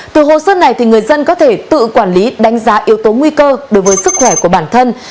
từ hồ sơ này người dân có thể tự quản lý đánh giá yếu tố nguy cơ đối với sức khỏe của bản thân